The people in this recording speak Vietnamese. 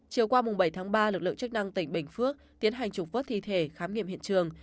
chiều qua bảy tháng ba lực lượng chức năng tỉnh bình phước tiến hành trục vất thi thể khám nghiệm hiện trường